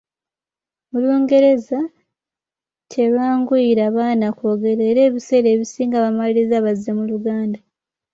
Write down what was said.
Olungereza terwanguyira baana kwogera era ebiseera ebisinga bamaliriza bazze mu Luganda.